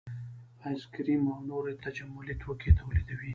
ایس کریم او نور تجملي توکي تولیدوي